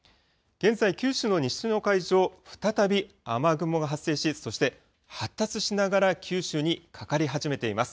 現在、九州の西の海上、再び雨雲が発生し、そして発達しながら九州にかかり始めています。